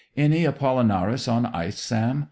"Any Apollinaris on ice, Sam?